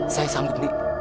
saya sanggup nek